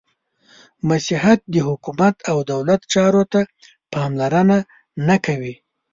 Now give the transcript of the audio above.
• مسیحیت د حکومت او دولت چارو ته پاملرنه نهکوي.